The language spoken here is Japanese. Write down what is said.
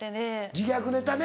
自虐ネタね。